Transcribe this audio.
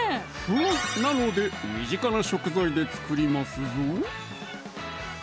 「風」なので身近な食材で作りますぞ！